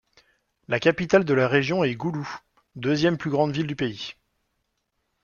La capitale de la région est Gulu, deuxième plus grande ville du pays.